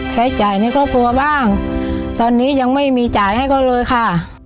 ใช้จ่ายในครอบครัวบ้างตอนนี้ยังไม่มีจ่ายให้เขาเลยค่ะ